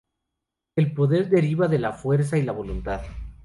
El poder deriva de la fuerza y la voluntad.